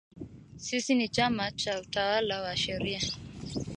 Sisi ni chama cha utawala wa sharia